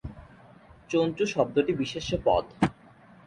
চঞ্চু শব্দটি বিশেষ্য পদ।